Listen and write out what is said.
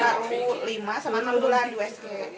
baru lima sama enam bulan di usg